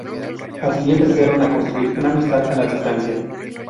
Así empezaron a construir una amistad a la distancia.